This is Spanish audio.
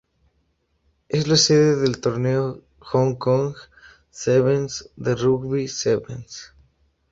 Es la sede del torneo Hong Kong Sevens de rugby sevens.